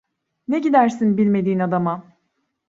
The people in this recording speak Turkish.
Ne gidersin bilmediğin adama?